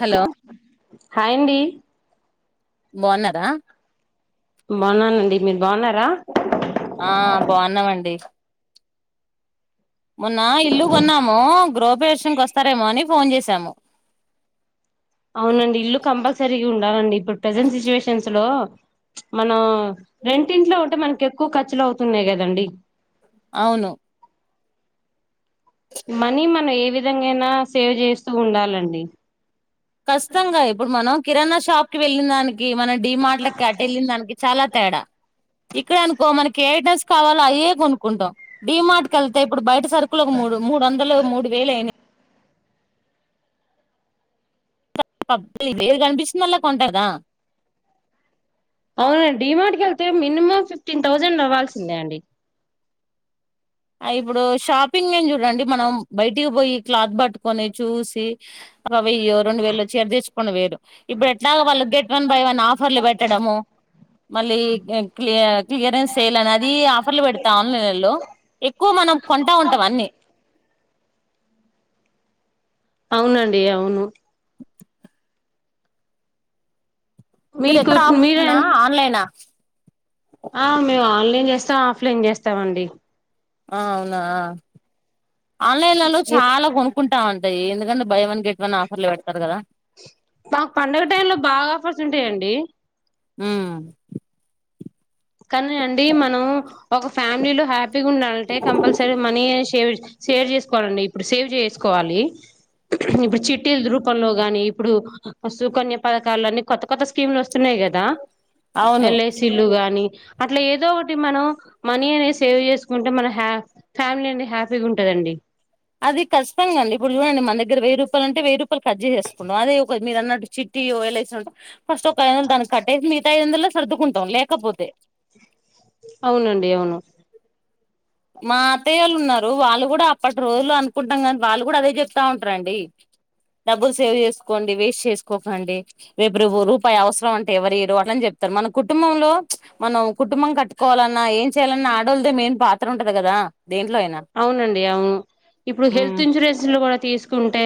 Hello hi అండి బాగున్నారా బాగున్నానండి మీరు బాగున్నారా ఆ బాగున్నామండి మొన్న ఇల్లు కొన్నాము గృహప్రవేశానికి వస్తారేమో అని ఫోన్ చేసాము అవునండి ఇల్లు కంపల్సరీగా ఉం ఉండాలండి ఇప్పుడు ప్రజెంట్ సిచ్యువేషన్స్ లో మనం రెంటింట్లో ఉంటే మనకి ఎక్కువ ఖర్చులు అవుతున్నాయి కదండి అవును మనీ మనం ఏ విధంగాయినా సేవ్ చేస్తూ ఉండలండి కష్టంగా ఇప్పుడు మనం కిరాణా షాప్ కి వెళ్ళిందాని ఈ మన డిమార్ట్లకి కటేళ్ళిన్దానికి చాలా తేడా ఇక్కడ అనుకో మనకి ఏ డ్రెస్ కావాలో అవే కొనుకుంటాం డిమార్ట్ కెళ్తే ఇప్పుడు బయట సరుకులకు మూడు మూడు వందలు మూడు వేయిలు అయినయ్ [unintelligible] కనిపిస్తుందల్ళ కొంటదా అవునండి డిమార్ట్ కెళ్తే మినిమం ఫిఫ్టిన్ థౌజండ్ అవ్వాల్సిందే అండి ఇప్పుడు షాపింగ్ నేను చూడండి మనం బయటికి పోయి క్లాత్ పట్టుకొని చూసి వెయ్యో రెండు వేలో చీర తెచ్చుకోని వేరు చేరే తీసుకొని ఇప్పుడు ఎట్లాగా వాళ్ళు గెట్ వన్ బై వన్ ఆఫర్లు పెట్టడము మళ్ళీ క్ క్లియరెన్స్ చేయ్యాల అని అది ఆఫర్లు పెడతా ఆన్లైన్లో ఎక్కువ మనం కొంటా ఉంటాం అన్ని అవునండి అవును మీర మీకు ఎక్కడ మీరే ఆప్షనా ఆన్లైనా ఆ మేము ఆన్లైన్ చేస్తాం ఆఫ్ లైన్ చేస్తామండి ఆ అవునా ఆన్లైన్లలో ఎ- చాలా కొనుక్కుంటామం టై ఎందుకంటే బై వన్ గెట్ వన్ ఆఫర్లు పెడతారు కదా బ పండగ టైం లో బాగా ఆఫర్స్ ఉంటాయండి ఆ కానీ అండి మనం ఒక ఫ్యామిలీలో హ్యాపీగా ఉండాలంటే కంపల్సరీ మనీ సేవ్ సేవ్ చేసుకోవాలండి ఇప్పుడు సేవ్ చేసుకోవాలి ఇప్పుడు చిట్టీల రూపంలో గాని ఇప్పుడు శుకన్య పథకాలు అన్ని కొత్త కొత్త స్కీమ్లు వస్తున్నాయి కదా అవును ఎల్ ఐ సిలు గాని అట్లా ఏదో ఒకటి మనం మనీ అనేది సేవ్ చేసుకుంటే మన హ ఫ్యామిలీ అనేది హ్యాపీగా ఉంటదండి అది కష్టంగా అండి ఇప్పుడు చూడండి మన దగ్గర వెయ్యి రూపాయలు ఉంటే వెయ్యి రూపాయ కర్చేచేసుకున్నం అదే ఒక మీరు అన్నట్టు చిట్టియో ఎల్ ఐ సి ఉంటే ఫస్ట్ ఒక ఐదు వందలు దాన్ని కట్టేసి మిగతా ఐదు వందలు సర్దుకుంటాం లేకపోతే అవునండి అవును మా అతయ్యోళ్ళు ఉన్నారు వాళ్ళు కూడా అప్పటి రోజులు అనుకుంటాం కానీ వాళ్ళు కూడా అదే చెప్తా ఉంటారండి డబ్బులు సేవ్ చేసుకోండి వేస్ట్ చేసుకోకండి రేపురో రూపాయి అవసరం అంటే ఎవరు ఇయరు అట్లని చెప్తారు మన కుటుంబంలో మనం కుటుంబం కట్టుకోవాలన్నా ఏం చేయాలన్నా ఆడోళ్దే మేన్ పా తర్ ఉంటది కదా అవునండి అవును ఇప్పుడు ఉమ్ హెల్త్ ఇన్సూరెన్స్ లో కూడా తీసుకు ంటే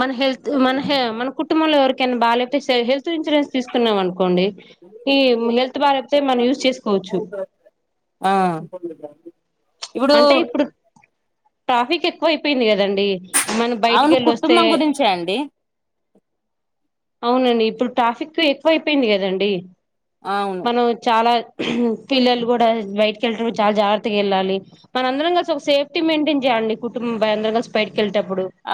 మన హెల్త్ మన హే మ కు కుటుంబంలో ఎవరికైనా బాలేకతే సరే హెల్త్ ఇన్సరెన్స్ తీసుకున్నామను కోండి ఈ హెల్త్ బాగాలేకపోతే మనం యూస్ చేసుకోవచ్చు ఆ ఇప్పుడు ట్రాఫిక్ ఎక్కువ అయిపోయింది కదా కదండి మనం బయటికి అవును వెళ్ళి వస్తే కుటుంబం గురించే అండి అవునండి ఇప్పుడు ట్రాఫిక్ ఎక్కువ అయిపోయింది కదండి అవును మనం చాలా పిల్లలు కూడా బయటకి వెళ్ళడం చాలా జాగ్రత్తగా వెళ్ళాలి మన అందరం కలిసి ఒక సేఫ్టీ మెయింటైన్ చేయ్యాలడి కుటుంబం అందరం కలిసి బయట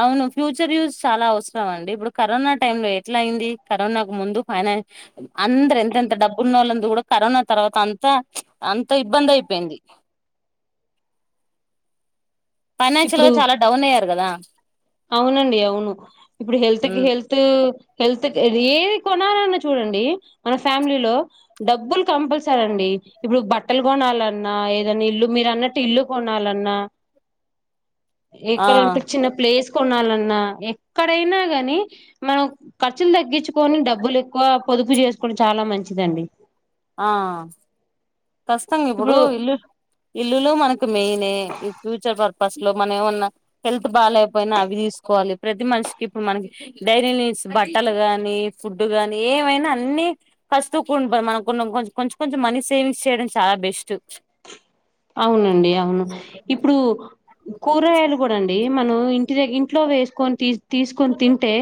అవును ఫ్యూచర్ యూస్ చాలా అవసరం అండి ఇప్పుడు కరోనా టైమ్ లో ఎట్లా అయింది కరోనాకు ముందు ఫైనాన్ అందరు ఎంతెంత డబ్బు ఉన్నళ్ళందు కూడా కరోనా తర్వాత అంత అంత ఇబ్బంది అయిపోయింది ఫైనాన్షియల్ గా ఇప్పుడు చాలా డౌన్ అయ్యారు కదా అవునండి అవును ఇప్పుడు హెల్త్ కి హ్మ్. హెల్త్ హెల్త్ ఏది కొనాలన్నా చూడండి మన ఫ్యామిలీలో డబ్బులు కంపల్సర అండి ఇప్పుడు బట్టలు కొనాలన్నా ఏదైనా ఇల్లు మీరు అన్నట్టు ఇల్లు కొనాలన్నా ఆ ఎక్కడ నిప చిన్న ప్లేస్ కోనాలన్నా ఎక్కడైనా గాని మనం ఖర్చులు తగ్గించుకొని డబ్బులు ఎక్కువ పొదుపు చేసుకొని చాలా మంచిదండి ఆ కష్టంగా ఇప్పుడు ఇల్లు ఇల్లులు మనక్ మెయిన్ ఈ ఫ్యూచర్ పర్పస్ లో మన ఏమన్నా హెల్త్ బాగాకపోయినా అవి తీసుకోవాలి ప్రతి మనిషికి ఇప్పుడు మనకి డైరీ వేర్ బట్టలు గానీ ఫుడ్ గాని ఏమైనా అన్ని కస్తుంట మనకు కొం కొంచెం కొంచెం మనీ సేవింగ్స్ చేయడం చాలా బెస్ట్ అవునండి అవును ఇప్పుడు కూరగాయలు కూడా అండి మనం ఇంటి దగ్గ ఇంట్లో వేసుకొని తీసుకొని తింటే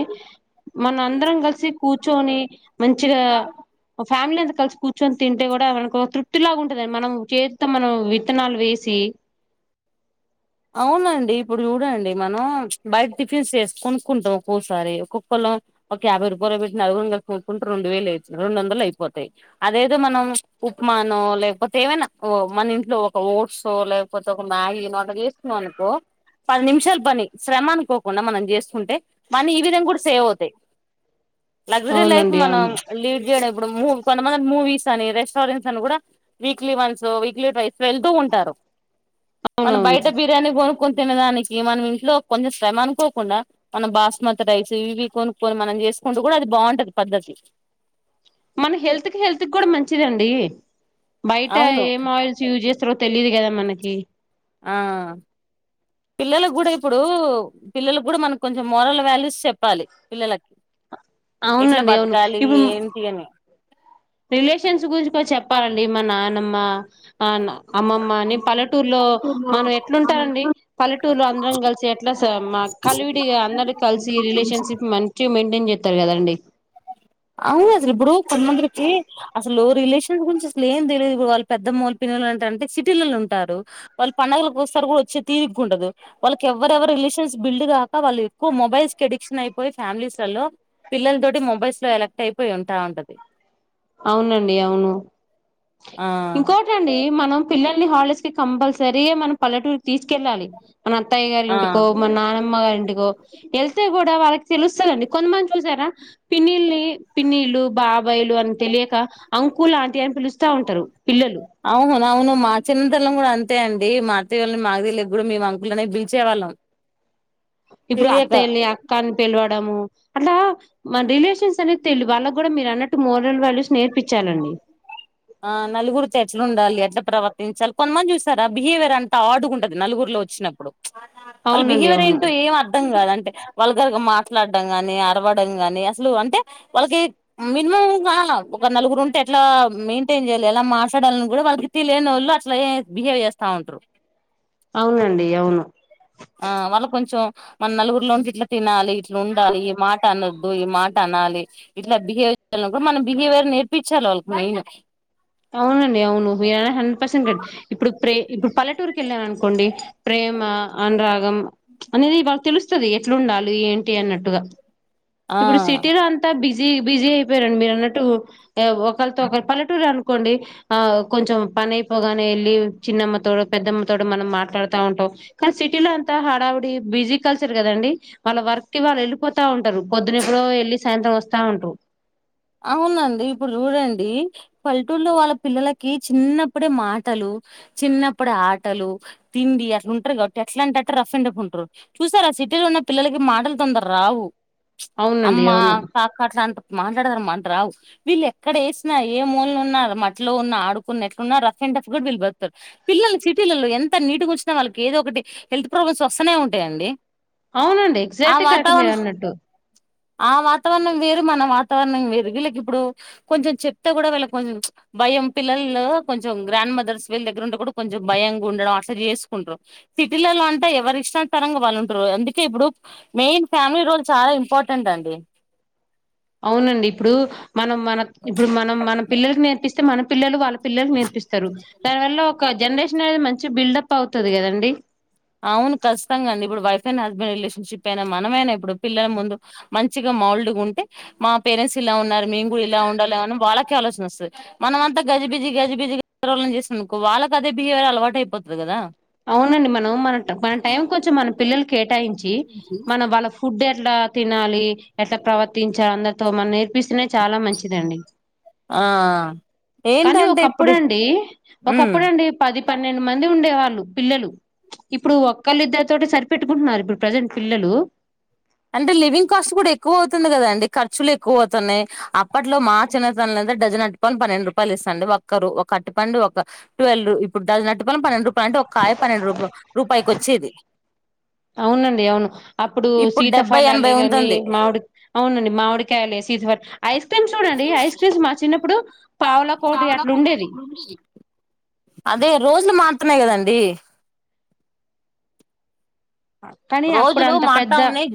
మన అందరం కలిసి కూర్చొని మంచిగా ఫ్యామిలీ అం కలిసి కూర్చొని తింటే కూడా మనకు తృప్తిలాగా ఉంటుదండి మనం చేత్త మనం విత్తనాలు వేసి అవునండి ఇప్పుడు చూడండి మనం బయట టిఫిన్స్ చేసి కొనుక్కుంటాం ఒక్కొసారి ఒక్కొక్కళ్ళ ఒక యాభై రూపాయలు పెట్టిన అడుగుొన కలిసి కొనుక్కుంటూ రెండు వేలు అవుతుంది రెండు వందలు అయిపోతాయి అదేదో మనం ఉప్మానో లేకపోతే ఏమైనా మన ఇంట్లో ఒక ఓట్స్ో లేకపోతే ఒక మ్యాగీ నోట అనుకో పది నిమిషాల పని శ్రమ అనుకోకుండా మనం చేసుకుంటే మనీ ఈ విధంగా కూడా సేవ్ అవుతాయి లగ్జరీ లైఫ్ అవునండి మనం అవును లీడ్ చేయడం ఇప్పుడు మూ కొంతమంది మూవీస్ అని రెస్టారెంట్స్ అని కూడా వీక్లీ వన్స్ వీక్లీ వైస్ వెళ్తూ ఉంటారు టే అవునవును బిర్యానీ కో కొనుొని తినదానికి మనం ఇంట్లో కొంచెం శ్రమ అనుకోకుండా మనం బాస్మతి రైస్ ఇవి కొనుక్కొని మనం చేసుకుంటూ కూడా అది బాగుంటది పద్ధతి మన హెల్త్ కి హెల్త్ కి కూడా మంచిదండి. బయట అవును ఏం ఆయిల్స్ యూజ్ చేస్త ఇ తెలిదు కదా మనకి ఆ పిల్లల కూడా ఇప్పుడు. పిల్లల కూడా మనకు కొంచెం మోరల్ వాల్యూస్ చెప్పాలి. పిల్లలకి ఎట్లా అవునండి అవును బతకాలి ఇప్పుడు ఏంటి అని ప్పర్లిమ నానమ్మ అ అమ్మమ్మ అని పల్లెటూర్లో మనం ఎట్లుంటారంండి. పల్లెటూరులో అందరం కలిసి ఎట్లా కల్విడి అందరి కలిసి రిలేషన్షిప్ మంచి మెయి నేను చెప్తారు కదండి. అవునసలు ఇబుడు కంద జ అసలు రిలేషన్స్ గురించి అసలు ఏం తెలియదు. ఇ వాళ్ళ పెద్దమ్మలు పిలలు అంటారంట సిటీలలో ఉంటారు. వాళ్ళ పండుగలకు వస్తారు కూడా వచ్చే తీరి ఉంట. వాళ్ళకి ఎవరెవరు రిలేషన్స్ బిల్డ్ కాక వాళ్ళు ఎక్కువ మొబైల్స్ కిడిక్షన్ అయిపోయి ఫ్యామిలీస్లలో పిల్లలతోటి మొబైల్స్. లో ఎలక్ట్ అయిపోయి ఉంటా ఉంటది అవునండి అవును ఆ ఇంకోటి అండి మనం పిల్లల్ని హాలిడేస్ కి కంపల్సరీయ మన పల్లూకి తీసుకెళ్ళాలి మన అత్తయ్య గారి ఆ ఇంటికో మన నానమ్మ గారి ఇంటి వెళ్తే కూడా వాళ్ళకి తెలుస్తాలండి. కొంతమంది చూసారా పిన్నిళ్ని పిన్నిళ్లు. బాబాయిలు అని తెలియక అంకులు అంటి అని పిలుస్త ఉంటారు పిల్లలు అవును అవును మా చిన్నతల్లం కూడా అంతే అండి. మా అత్యని మాది కూడా మే అంకులునే పిలిచేవాళ్ళం. ఇప్పుడు అత్త తెలియక వెళ్ళి అక్కాని పిలవడము అట్లా మన రిలేషన్స్ అనేది తెలి వాళ్ళకి కూడా మీరు అన్నట్టు మోరల్ వాల్యూస్ నేర్పించాలండి. ఆ నలుగురితో ఎట్లా ఉండాలి. ఎట్లా ప్రవర్తించాలి కొంతమంది చూసారు. ఆ బిహేవియర్ అంత ఆడుగుంటది నలుగురులో వచ్చినప్పుడు. వాళ్ళ అవునండి బిహేవియర్ అవును ఏంటో ఏం అర్ధం కాదు అంటే వాళ్ళ క మాట్లాడడంం ని అరవడం గాని అసలు అంటే వాళ్ళకి మినిమం కాాల ఒక నలుగురు ఉంటే ఎట్లా మన్ న్ చేయాలి అలా మాట్లాడాలని కూడా వాళ్ళకి తెలియని వాళ్ళు అట్లా బిహేవ్ చేస్తా ఉంటారు. అవునండి అవును ఆ వాళ్ళ కొంచెం మన నలుగురిలో ఉండి ఇట్లా తినాలి, ఇట్లా ఉండాలి. ఈ మాట అనద్దు ఈ మాట అనాలి ఇట్లా బిహేవ్ చేయాల మనం బిహేవియర్ నేర్పించాలి. వాళ్ళకి మెయిన్ అవునండి అవును మీర హండ్రెడ్ పర్సెంట్ కండి ఇప్పుడు ప్రే ఇప్పుడు పల్లెటూరుకి వెళ్ళాను అనుకోండి. ప్రేమ అనురాగం అనేది వాళ్ళ తెలుస్తుంది. ఎట్లుండాలి ఏంటి అన్నట్టుగా. ఆ ఇప్పుడు సిటీలో అంతా బిజ బిజీ బిజీ అయిపోరండి. మీరు అన్నట్టు ఒకళ్రితో ఒకరు పల్లెటూరు అనుకోండి. ఆ కొంచెం పని అయిపోగానే వెళ్ళి చిన్నమ్మతోడు పెద్దమ్మతోడు మనం మాట్లాడుతా ఉంటాం. కానీ సిటీలో అంతా హడావుడి బిజీ కలిసరు కదండి. వాళ్ళ వర్క్ కి వాళ్ళు వెళ్ళిపోతా ఉంటారు. పొద్దునప్పుడు వెళ్ళి సాయంత్రం వస్తా ఉంటూ అవునండి ఇప్పుడు చూడండి. పల్లెటూరులో వాళ్ళ పిల్లలకి చిన్నప్పుడే మాటలు చిన్నప్పుడే ఆటలు తిండి అట్లా ఉంటారు. కాబట్టి ఎట్లా అంట అే రఫ్ అండ్ అఫ్ ఉంటారు చూసారు. ఆ సిటీలో ఉన్న పిల్లలకి మాటలు తొందరరు రావు. అవునండి అమ్మా అవును కాకా రంతప్మా అంట. రావు వీళ్ళు ఎక్కడ వేసినా ఏ మూలు ఉన్న మట్లో ఉన్న ఆడుకున్న ఎట్లున్న రఫ్ అండ్ రఫ్ కూడా వీళ్ళుడతారు. పిల్లలు సిటీలలో ఎంత నీటి గుంచినా వాళ్ళకి ఏదో ఒకటి హెల్త్ ప్రాబ్లమ్స్ వస్తనే ఉంటాయండి. అవునండి ఆ ఎగ్జాక్ట్ కాబట్టి మీరు వాతావరణం అన్నట్టు ఆ వాతావరణం వేరు మన వాతావరణం వేరు వీళ్ళకి ఇప్పుడు కొంచెం చెప్తే కూడా వీళ్ళకి కొంచెం భయం పిల్లలు కొంచెం గ్రాండ్ మదర్స్ వీళ దగ్గర ఉంటే కూడా కొంచెం భయంగా ఉండడం. అట్లు చేసుకుంట్ర సిటీలలో అంటే ఎవరి ఇష్టాంతరంగా వాళ్ళు ఉంటారు. అందుకే ఇప్పుడు మెయిన్ ఫ్యామిలీ రోల్ చాలా ఇంపార్టెంట్ అండి. అవునండి ఇప్పుడు మనం మన ఇప్పుడు మనం మన పిల్లలకి నేర్పి మన పిల్లలు వాళ్ళ పిల్లలు నేర్పిస్తారు. దాని వల్ల ఒక జనరేషన్ అనేది మంచి బిల్డప్ అవుతుంది కదండి. అవును ఖచ్చతంగాండి. ఇప్పుడు వైఫ్ అండ్ హస్బెండ్ రిలేషన్షిప్ అయినా మనమైనా ఇప్పుడు పిల్లల ముందు మంచిగా మాల్డ్గా ఉంటే మా పేరెంట్స్ ఇలా ఉన్నారు. మేము కూడా ఇలా ఉండాలి. ఏమన్నా వాళ్ళకే ఆలోచన వస్తుంది మనమ అంతా గజిబిజి గజిబిజిళ చేసిననుకో వాళ్ళకి అదే బిహేవియర్ అలవాటు అయిపోతుంది. కదా అవునండి మన [inaudible] ఎట్లా తినాలి ఎట్లా ప్రవ చార్ అందతో మనం నేర్పిస్తున్నా చాలా మంచిదండి ఆ కానీ ఏంటంటే ఒకప్పుడు ఇప్పుడు అండి మ్మ్ ఒకప్పుడుండి పది పన్నెండు మంది ఉండేవాళ్ళు పిల్లలు ఇప్పుడు ఒక్కళ్ళ ఇద్దరి తోటి సరిపెట్టుకుంటున్నారు ఇప్పుడు ప్రజెంట్ పిల్లలు అంటే లివింగ్ కాస్ట్ కూడా ఎక్కువ అవుతుంది. కదా అండి ఖర్చులు ఎక్కువ అవుతున్నాయి. అప్పట్లో మా చిన్నతనలద డజన్ అటు పండి పన్నెండు రూపాయలు ఇస్తాండి. ఒక్కరు ఒక అట్టిపండి ఒక ట్వెల్వ నట్టు పల పన్నెండు రూపాయలు అంటే ఒకయ పన్నెండు రూ రూపాయకి వచ్చేది. డెబ్బై సీతఫలాలే ఎనభై కాని ఉంటుంది మామిడి అవునండి మామిడికాయాల సీతఫలం ్మ్ చూడండి ఐస్ క్రీమ్స్ మా చిన్నప్పుడు పావులకోటి పావలా అట్లా కోడి ఉండేది అట్లుండేది అదే రోజులు మాత్ర పస్తున్నాయి కదండి కానీ అప్పుడు రోజులు అంత మారతా పెద్ద ఉన్నాయి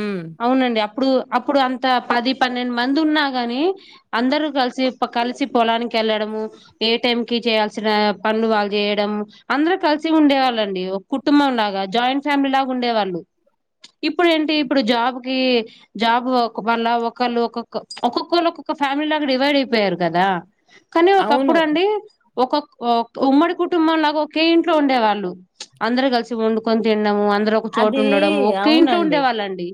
ఉమ్ అవునండి అప్పుడు అప్పుడు అంత పది పన్నెండు మంది ఉన్నా గాని అందరూ కలిసి పకాలసి పొలాని ఇక్కడ ఎటువంటి పదాలను రాయలేదు కానీ వాయిస్ రికార్డ్ లో మాత్రం పదాలు వినిపిస్తున్నాయి. పనికి వెళ్లడంతో చేయడం. ఏ టైం కు చేయాల్సిన పనులు బాగా చేయడం. అందరూ కలిసి ఉండేవారు ఒక కుటుంబం లాగా జాయింట్ ఫ్యామిలీ లాగా ఉండే వాళ్ళు ఇప్పుడు ఏంటి ఇప్పుడు జాబ్ కి జాబ్ వళ్ళ ఒకళ్ళు ఒక్కొక్క ఒక్కొక్కళ్ళు ఒక్కొక్క ఫ్యామిలీ లాగా డివైడ్ అయిపోయారు. కదా కానీ అవును ఒకప్పుడు అండి ఒక ఉమ్మడి కుటుంబంలాగా ఒకే ఇంట్లో ఉండేవాళ్ళు అందరు కలిసి ఉండు కొ ము అందరు ఒక చోటు అది ఉండడంము ఒక్కే ఇంట్లో ఉండే అవునండి వాళ్ళండి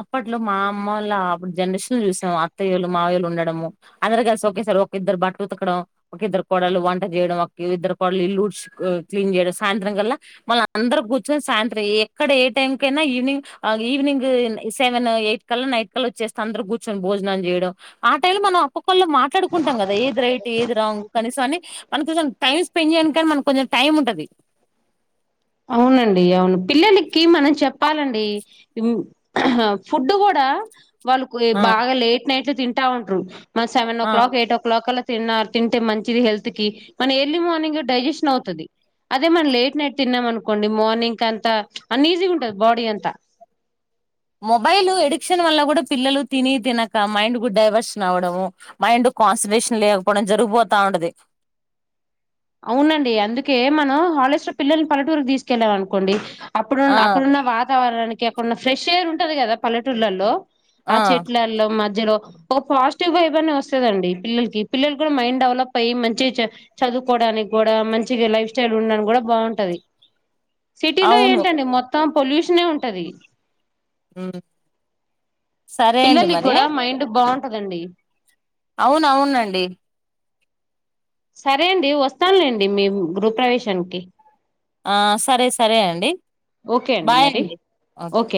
అప్పట్లో మా అమ్మ వాళ్ళ అప్పుడు జనరేషన్ చూసాం. అత్తయ్యళలు మావయళ్ళుండడడం. అందరు కలిసి ఒకేసారి ఒక ఇద్దరు బట్ట ఉతకడం ఒక ఇద్దరు కోడలు వంట చేయడం. ఒక ఇద్దరు కోడలు ఇల్లుూడ్ క్లీన్ చేయడం. సాయంత్రం కల్లా మళ్ళ అందరు కూర్చొని సాయంత్రం ఎక్కడ ఏ టైం కైనా ఈవినింగ్ ఈవినింగ్ సెవెన్ ఎయిట్ కల్లా నైట్ కల్ వచ్చేస్తే. అందరు కూర్చొని భోజనం చేయడం. ఆ టై లో మనం అప్పక్కు మాట్లాడుకుంటాం. ల్ కదా ఏది రైట్ ఏది రాంగ్ కనీసం అని మన కొంచం టైం స్పెండ్ చేయని కానీ మన కొంచెం టైం ఉంటది. అవునండి అవును పిల్లలకి మనం చెప్పాలండి అ ఫుడ్ కూడా వాళ్ళకు ఆ బాగా లేట్ ప్లేట్లు తింటా ఉంటురు మా సెవెన్ ఓ ఆ క్లాక్ ఎయిట్ క్లాక్ అలా తిన్న తింటే మంచిది హెల్త్ కి మన ఎర్లీ మార్నింగ్ డైజెషన్ అవుతుంది అదే మన లేట్ నైట్ తిన్నాం అనుకోండి మార్నింగ్ కి అంతా అన్ని ఈజీ ఉంటంది బాడీ అంతా మొబైల్ ఎడిక్షన్ వల్ల కూడా పిల్లలు తిని తినక మైండ్ కు డైవర్షన్ అవ్వడము మైండ్ కాన్సన్ట్రేషన్ లేకపోవడం జరిగిపోతా ఉండది అవునండి అందుకే మనం హాలిడేస్ పిల్లల్ని పలటూరుకు తీసుకెళ్ళామ అనుకోండి ఆ అప్పుడున్న అక్కడున్న వాతావరణానికి అక్కడన్న ఫ్రెష్ ఎయిర్ ఉంటది కదా పలెటూర్లలో ఆ చెట్లల్లో మధ్య జీ ఒక పాజిటివ్ వైబ్ అ వస్తుంద అండి పిల్లలకి పిల్లలు కూడా మైండ్ డెవలప్ అయ్యి మంచి చదువు కోవడానికి కూడా మంచి లైఫ్ స్టైల్ ఉండడానికి కూడా బాగుంటది సిటీలో అవును ఏంటండి మొత్తం పొల్యూషనే ఉంటది మ్మ్ పిల్లలి కూడా మైండ్ బాగ పదండి అవున అవునండి సరే అండి వస్తానులేండి మీ గృ ప్రవేశానికి సరే సరే అండి ఓకే బాయ్ మరి అండి ఓకే